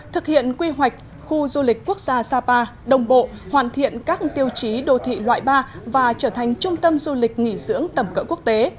thực hiện quy hoạch khu du lịch quốc gia sapa đồng bộ hoàn thiện các tiêu chí đô thị loại ba và trở thành trung tâm du lịch nghỉ dưỡng tầm cỡ quốc tế